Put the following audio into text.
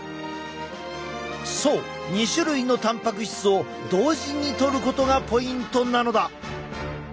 そう２種類のたんぱく質を同時にとることがポイントなのだ！